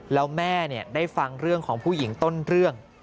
แล้วแม่ได้ฟังเรื่องของผู้หญิงต้นเรื่อง